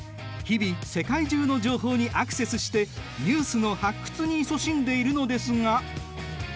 日々世界中の情報にアクセスしてニュースの発掘にいそしんでいるのですが。